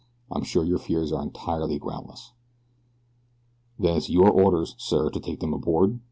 I'm sure your fears are entirely groundless." "Then it's your orders, sir, to take them aboard?"